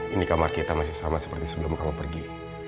ini kamar kita masih sama seperti sebelum kamu pergi